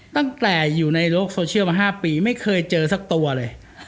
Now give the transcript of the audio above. ตั้งแต่อยู่ในโลกโซเชียลมา๕ปีไม่เคยเจอสักตัวเลย